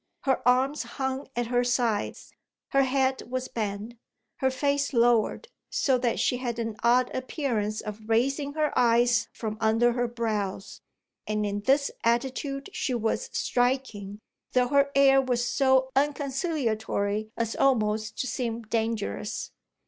Her arms hung at her sides, her head was bent, her face lowered, so that she had an odd appearance of raising her eyes from under her brows; and in this attitude she was striking, though her air was so unconciliatory as almost to seem dangerous.